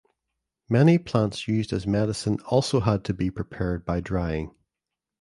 Many plants used as medicine also had to be prepared by drying.